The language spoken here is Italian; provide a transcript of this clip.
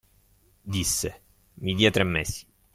Disse: "Mi dia tre mesi."